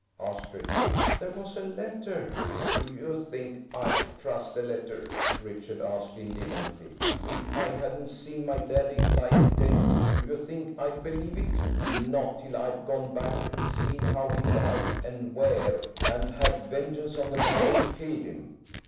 asked Richard. "There was a letter–" "Do you think I'd trust a letter?" Richard asked indignantly. "If I hadn't seen my daddy lying dead, do you think I'd believe it? Not till I'd gone back and seen how he died, and where, and had vengeance on the man who'd killed him."